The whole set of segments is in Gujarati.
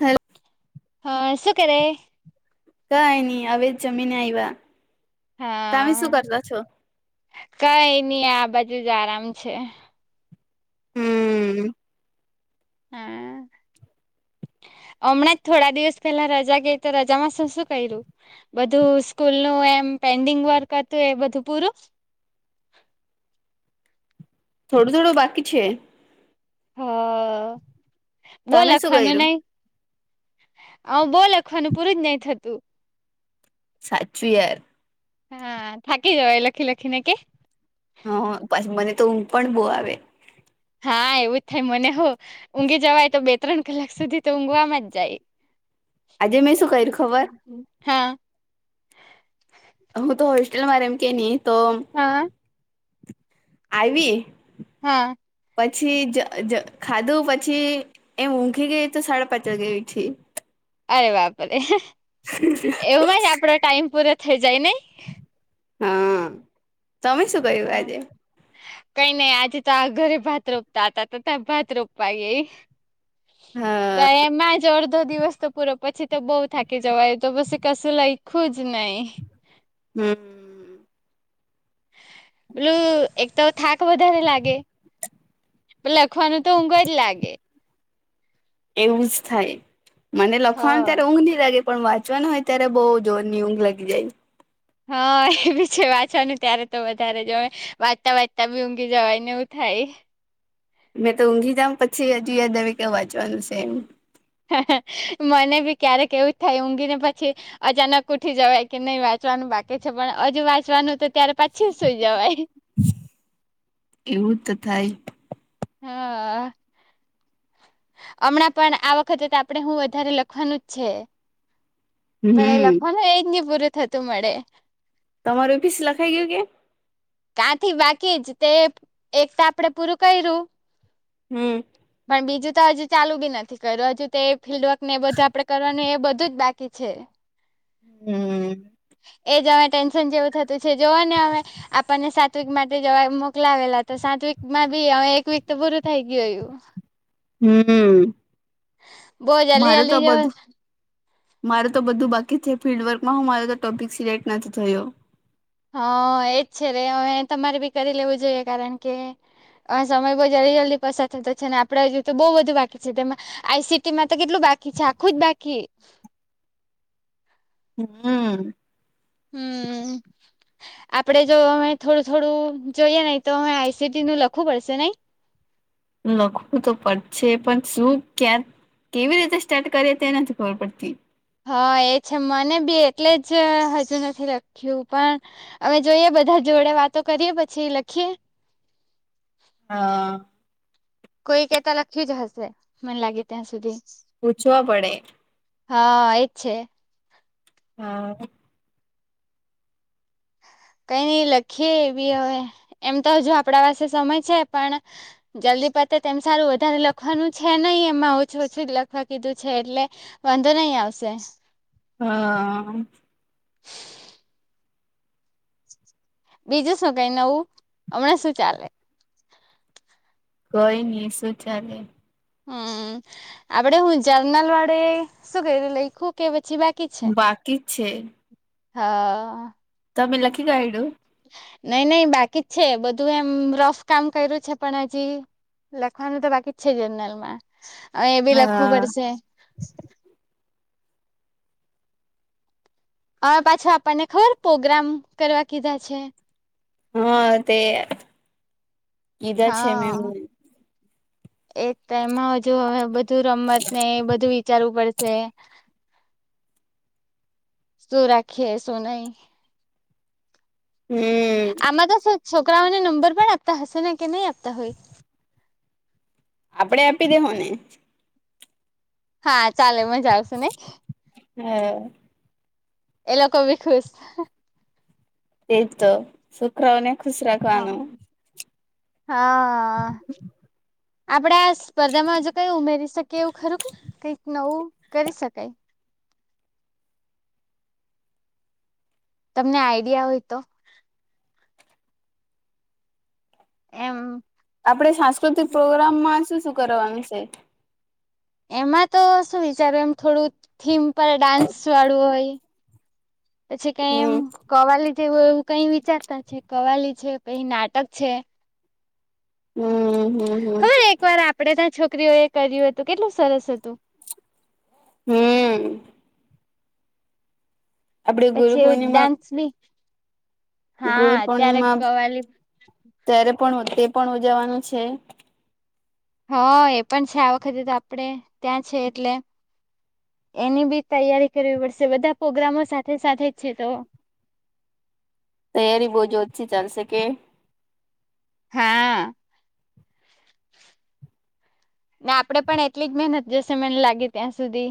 હેલો હા, શું કરે? કાઈ નઈ હવે જ જમીને આવ્યા, તમે શું કરતા છો? કાઈ નહી આ બાજુ જ આરામ છે. હમ્મ હમ હમણાં જ થોડા દિવસ પહેલા રજા ગઈ તો, રજામાં શું-શું કર્યું? બધું સ્કૂલ નું એમ પેન્ડિંગ વર્ક હતું, એ બધું પૂરું થોડું થોડું બાકી છે. હ બો તમે શું લખવાનું કર્યું નહી. આવું બહું લખવાનું, પૂરું જ નહી થતું. સાચું યાર હા, થાકી જવાય લખી લખીને કે હ, પછ મને તો ઊંઘ પણ બહુ આવે. હા એવું જ થાય મને હો, ઊંઘી જવાય તો બે ત્રણ કલાક સુધી તો ઊંઘવામાં જ જાય. આજે મેં શું કર્યું ખબર. હા. હું તો હોસ્ટેલ મા રેવું કે નહી તો. હા. આઈવી. હા. પછી જ જ ખાધું પછી. એમ ઊંઘી ગઈ તો સાડા પાંચ વાગે ઊઠી અરે બાપરે એમાંજ આપડો ટાઈમ પૂરો થઇ જાય નહ. હા, તમે શું કર્યું આજે? કઈ નઈ આજે તો આ ઘરે ભાત રોપતા હતા, તો ત્યાં ભાત રોપવા આવી ગઈ. તો હા એમાંજ અડધો દિવસ પૂરો. પછી તો બઉુ થાકી જવાય, તો પછી કશું લેખ્યુંજ નહી. હમ્મ પેલું એક તો થાક વધારે લાગે. લખવાનુ તો ઊઘજ લાગે. એવું જ થાય મને લખવાનું હા ત્યારે ઊંઘ નહી લાગે. પણ વાંચવાનું હોય ત્યારે બઉુ જોર ની ઊંઘ લાગી જાય. હા એ બી છે, વાંચવાનું ત્યારે તો વધારે જ હોય, વાંચતા વાંચતા બી ઊંઘી જવાય ને એવું થાય. મેં તો ઊંઘી જાવ, પછી હજુ યાદ આવે કે વાંચવાનું છે એમ. મને ભી ક્યારેક એવું જ થાય ઊંઘી ને પછી. અચાનક ઉઠી જવાય કે નહીં વાંચવાનું બાકી છે પણ હજુ વાંચવાનું તો ત્યારે પાછું સુઈ જવાય. એવું તો થાય હા. હમણાં પણ, આ વખતે તો આપણે હું વધારે લખવાનું જ છે. પણ એ હમ લખવાનું એજ નહી પૂરું થતું મળે. તમારુ ફીસ લખાઈ ગયું કે? કાંથી બાકી જ, તે એક તો આપડે પૂરું કર્યું. હમ્મ પણ બીજું તો હજુ ચાલુ બી નથી કર્યું, હજુ તો એ ફિલ્ડ વર્ક ને એ બધું કરવાનું એ બધુંજ બાક કી છે. હમ્મ એજ અમે ટેન્શન જેવું થતું છે, જોવો ને હવે. આપણને સાત વીક માટે જવા મોકલાવેલા તો સાત વીક માં બી હવે એક વીક તો પૂરું થઈ ગયુ. [inaudible] હમ્મ, બહુ મારે જલ્દી તો જલ્દી જવ બધું મારે તો બધું બાકી છે ફિલ્ડ વર્કમાં, હું મારો તો ટોપિક સિલેક્ટ નથી થયો. હા એજ છે રે, હવે તમારે બી કરી લેવું જોઈએ, કારણ કે અ સમય બહુ જલ્દી જલ્દી પસાર થતો છે અને આપડે તો બહુ બધુ બાકી છે તેમાં આઈસીટીમાં તો કેટલું બાકી છે આખું જ બાકી હમ્મ. હમ્મ. આપડે જો અમે થોડું થોડું જોઈએ નહી તો અમે આઈસીટી નું લખવું પડશે નઈ? લખવું તો પડશે પણ શું ક્યા? કેવી રીતે સ્ટાર્ટ કરીએ તે નથી ખબર પડતી. હા, એ છે મને બી એટલે જ હજુ નથી લખ્યું પણ હવે જોઈએ બધા જોડે વાતો કરીએ પછી લખીએ. હમ્મ. કોઈકે તો લખ્યું જ હશે મને લાગે ત્યાં સુધી પૂછવા પડે. હા એ જ છે. હમ્મ. કઈ નઈ લખીએ એબી હવે એમ તો હજુ આપણા પાસે સમય છે પણ જલ્દી પતે તેમ સારું વધારે લખવાનું છે નહી એમાં ઓછું ઓછું જ લખવા કીધું છે એટલે વાંધો નહી આવશે. હા. બીજું શું કઈ નવું હમણાં શું ચાલે? કઈ નઈ શું ચાલે. હમ્મ, આપડે હુ જર્નલ વાડે શું કર્યું લઈખું કે પછી બાકી છે બાકી છે. હા. તમે લખી કાઢયું? નય નય બાકી જ છે બધું એમ રફ કામ કર્યું છે પણ હજી લખવાનું તો બાકી જ છે જનરલમાં અ એબી લખવું હા પડશે. અન પાછા આપણને ખબર પ્રોગ્રામ કરવા કીધા છે. હા તે કીધા છે મેમને હા. એક ટાઈમમાં હજુ હવે બધું રમતને એ બધું વિચારવું પડશે. શું રાખીએ શું નહી. હમ્મ. આમાં તો શું છોકરાઓને નંબર પણ આપતા હશે ને કે નહી આપતા હોય? આપડે આપી દેહો ને હા ચાલે મજા આવશે ને? હા. એ લોકો બી ખુશ એ જ તો છોકરાઓને ખુશ રાખવાનું હા... આપડે આ સ્પર્ધામાં હજુ કઈ ઉમેરી શ કીએ એવું ખરું કે કઈક નવું કરી શકાય તમને આઈડિયા હોય તો? એમ આપડે સાંસ્કૃતિક પ્રોગ્રામમાં શું શું કરવાનું છે? એમાં તો શું વિચારું એમ થોડું થીમ પર ડાન્સવાળું હોય પછી કઈ એમ હમ કવાલી જેવું એવું કઈ વિચારતા છે કવાલી છે પછી નાટક છે. હમ્મ. ખબર હે એક વાર આપણેે ત્યાં છોકરીઓ એ કર્યું હતું કેટલું સરસ હતું. હમ્મ. આપડે ગુરુ પછી એવ પૂર્ણિમા ડાન્સ બી, હા ગુરુ ત્યારે પૂર્ણિમા કવાલી ત્યારે પણ તે પણ ઉજાવાનું છે. હા એ પણ છે આ વખતે તો આપડે ત્યાં છે એટલે. એની બી તૈયારી કરવી પડશે બધા પ્રોગ્રામો સાથે સાથે જ છે તો. તૈયારી બહુ જોરથી ચાલશે કે. હા. ના આપડે પણ એટલી જ મહેનત જશે મને લાગે ત્યાં સુધી.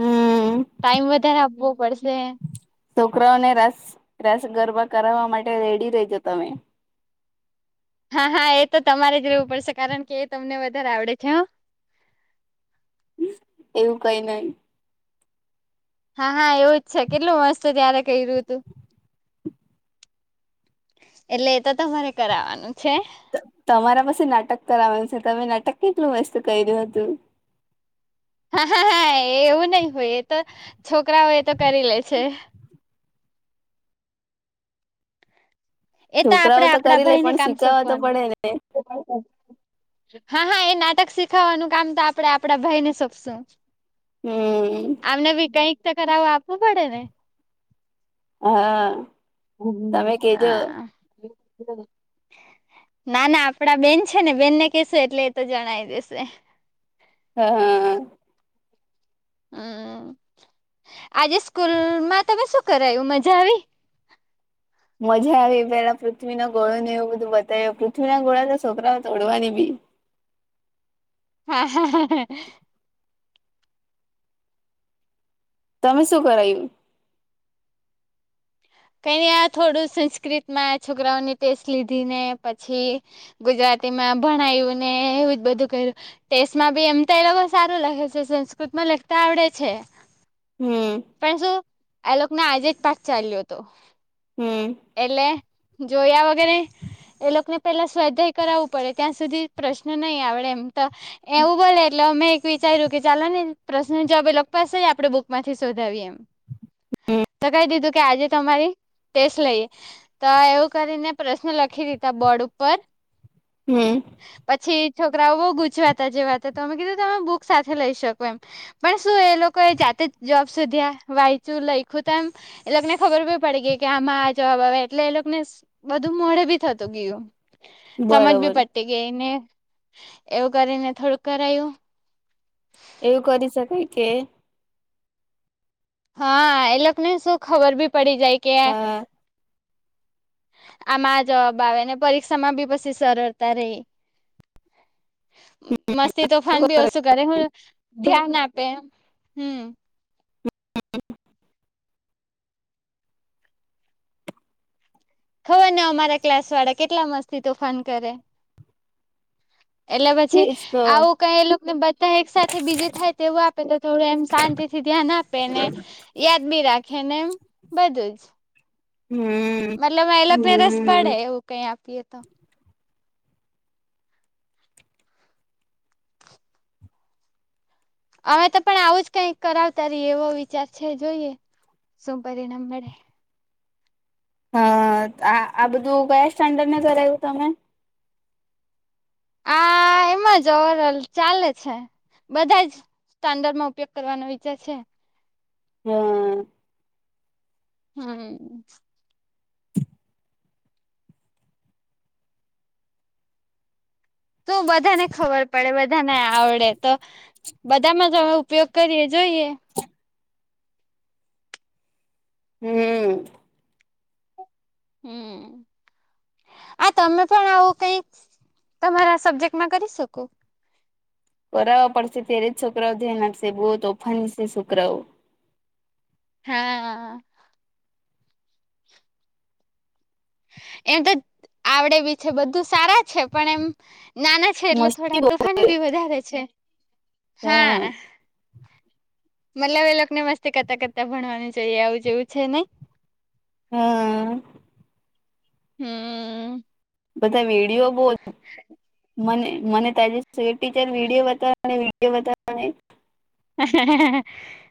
હમ ટાઈમ વધારે આપવો પડશે. છોકરાઓને રાસ રાસ ગરબા કરાવવા માટે રેડી રહેજો તમે. હા હા એ તો તમારે જ રહેવું પડશે કારણ કે એ તમને વધારે આવડે છે હ. એવું કઈ નહી. હા હા એવું જ છે કેટલું મસ્ત ત્યારે કર્યું હતું. એટલે એ તો તમારે કરાવવાનું છે. તમારા પાસે નાટક કરાવાનું છે તમે નાટક કેટલું મસ્ત કર્યું હતું. હા, હા, હા, એવું નહી હોય એ તો છોકરાઓ એ તો કરી લે છે. એ તો છોકરાઓ આપણે આપણા કરી લે ભાઈ ને પણ કામ શીખાવા તો સોંપવાનું. પડે ને હા, હા, એ નાટક શીખાવવાનું કામ તો આપણે આપણા ભાઈ ને સોંપશું. હમ આમને બી કાંઈક તો કરાવવા આપવું પડે ને. હા. તમે હમ્મ, કેજો હા. ના, ના આપડા બેન છે ને બેનને કેશું એટલે એ તો જણાય દેશે. હાહો. હમ્મ. આજે સ્કૂલમાં તમે શું કરાયું? મજા આવી? મજા આયવી, પહેલા પૃથ્વી ના ગોળો ને એવું બધું બતાઈવું, પૃથ્વી ના ગોળા તો છોકરાને તોડવાને બી. હા, હા. તમે શું કરાયવુ? કાંઈ નહીં, આ થોડું સંસ્કૃતમાં છોકરાઓની ટેસ્ટ લીધી, ને પછી ગુજરાતી માં ભણાયું ને એવું જ બધું કયરું. ટેસમાં બી એમ તો એ લોકો સારું લખે છે, સંસ્કૃતમાં લખતા આવડે છે. હમ્મ. પણ શું આ લોકને આજે જ પાઠ ચાલ્યો તો. હમ્મ. એટલે, જોયા વગર એ એ લોકને પેલા સ્વાધ્યાય કરાવવું પડે, ત્યાં સુધી પ્રશ્ન નહીં આવડે એમ તો. એવું બોલે એટલે અમેં એક વિચાર્યું કે ચાલો ને પ્રશ્ન જવાબ એ લોક પાસે જ આપડે બુક માંથી શોધાવીએ એમ. તો કહી દીધું કે આજે તમારી ટેસ્ટ લઈએ, તો એવું કરીને પ્રશ્ન લખી દીધા બોર્ડ ઉપર. હમ્મ. પછી છોકરાઓ બહુ ગુંચવાતા જેવા હતા તો અમે કીધું તમે બુક સાથે લઈ શકો એમ. પણ શું એ લોકો એ જાતે જ જવાબ શોધ્યાં, વાંયચુ, લઈખું તો એમ એ લોકને ખબર ભી પડી ગઈ કે આમાં જ જવાબ આવે એટલે એ લોક ને બધું મોઢે બી થતું ગયું. સમજ બી બરોબર પડ તી ગઈ ને, એવું કરીને થોડુંક કરાયું. એવું કરી શકાય કે હા એ લોકને શું ખબર ભી પડી જાય કે આમાં જવાબ આવે ને પરીક્ષામાં બી પછી સરળતા રહે. [inaudible] મસ્તી તોફાન બી ઓછું કરે, હું ધ્યાન આપે. હમ્મ. [inaudible] ખબર ને અમારા ક્લાસવાળા કેટલા મસ્તી તોફાન કરે. એટલે પછી તેજ તો આવું કંઈ એ લોકને [unintelligible] તાં એક સાથે બીજું થાય તેવું આપે તો થોડું એમ શાંતિ થી ધ્યાન આપે ને. યાદ બી રાખે ને એમ, બધું જ. હમ્મ. મતલબ એ લોક ને રસ પડે એવું કંઈ આપીએ તો. હવે તો પણ આવું જ કંઈક કરાવતા રહીએ એવો વિચાર છે જોઈએ, શું પરિણામ મળે. હા. આ-આ બધું કયા સ્ટાન્ડર્ડમાં કરાવ્યું તમે? આ એમ જ ઓવરોલ ચાલે છે. બધા જ સ્ટાન્ડર્ડમાં ઉપયોગ કરવાનો વિચાર છે. હ. હમ્મ. તો બધાને ખબર પડે, બધાને આવડે તો. બધામાં જ હવે ઉપયોગ કરીએ, જોઈએ. હમ હમ. આ તમે પણ આવું કઈક, તમારા સબ્જેક્ટમાં કરી શકો. કરાવવા પડશે, ત્યારે જ છોકરાઓ ધ્યાન આપશે, બહુ તોફાની છે છોકરાઓ હા. એમ તો આવડે બી છે બધું સારા છે પણ એમ નાના છે એટલે મસ્તી થોડા તોફાની ભી વધારે છે હા. મતલબ એ લોકોને મસ્તી કરતા કરતા ભણવાનું જોઈએ આવું જેવું છે નઈ. હા. હમ. [inaudible] બધા વિડીિયો [unintelligible] મને, મને તારા ટીચર વિડીયો બતાવ અને વિડીયો બતાવ હ [inaudible]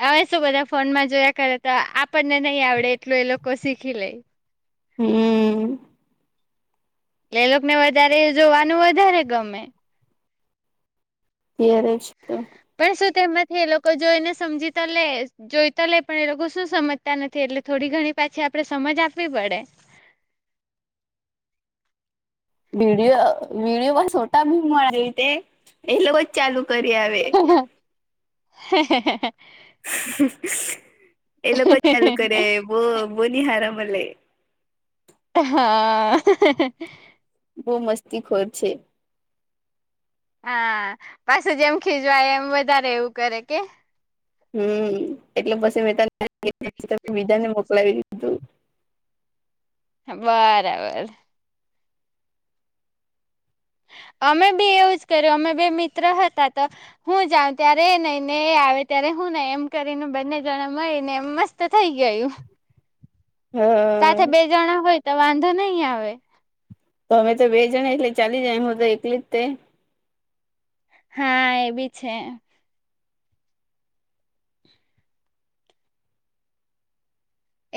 હવે શું બધા ફોનમાં જોયા કરે તો આપણને નહીં આવડે એટલું એ લોકો શીખી લે. હમ. હમ. એટલે એ લોકો ને વધારે જોવાનું વધારે ગમે. ત્યારે જ તો પણ શું તેમાંથી એ લોકો જોઈને સમજીતા લે જોઈતા લે પણ એ લોકો શું સમજતા નથી એટલે થોડી ઘણી પાછી આપડે સમજ આપવી પડે. વિડીિયો, વિડીયો છોટાભીમ [unintelligible] એલોકોજ ચાલુ કરી આવે. હ. [unintelligible] એ લોકો એ ચાલુ કરવો જોઈએ બહુ નહીં હારા મળે હા. બહુ મસ્તી ખોર છે. હા પાછ જેમ ખીજવાય એમ વધારે એવું કરે કે હમ એટલે પછી મે બીજાને મોકલાવી દીધું. બરાબર. અમે બી એવું જ કર્યું અમે બે મિત્ર હતા તો. હું જાઉં ત્યારે એ નઈ ને એ આવે ત્યારે હું નહીં એમ કરીને બંને જણા મળી ને એમ મસ્ત થઈ ગયું હા સાથે બે જણા હોય તો વાંધો નહી આવે. તો અમે તો બે જણા એટલે ચાલી જાય એ હુ તો એકલી જ તે હા એ બી છે.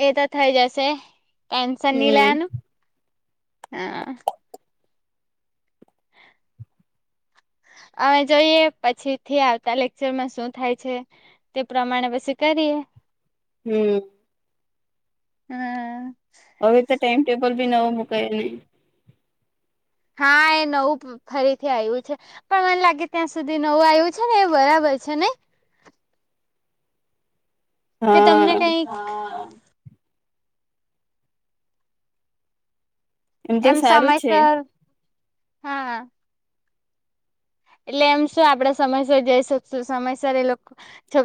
એ તો થઇ જશે ટેન્શન નહી હમ લેવાનું હા. અવે જોઈએ પછી થી આવતા લેક્ચરમાં શું થાય છે? તે પ્રમાણે પછી કરીએ. હમ્મ હમ. હવે તો ટાઈમ ટેબલ ભી નવો મુકાય રી હા એ નવ ફરીથી આવ્યું છે પણ મને લાગે ત્યાં સુધી નવું આવ્યું છે ને એ બરાબર છે નહી. કે તમને હા કઈક તો એમ સારું જ છે. સમયસર હા. એટલે એમ શું આપડે સમયસર જઈ શકશું સમયસર એ લોકો છોકરા